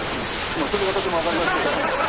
まあそれ私もわかりますけど。